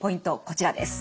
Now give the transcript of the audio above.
こちらです。